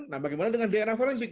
nah bagaimana dengan dna forensik